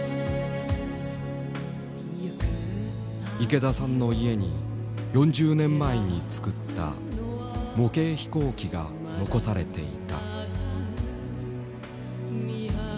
池田さんの家に４０年前に作った模型飛行機が残されていた。